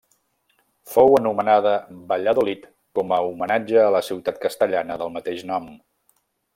Fou anomenada Valladolid com a homenatge a la ciutat castellana del mateix nom.